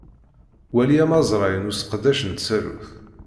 Wali amazray n useqdec n tsarut.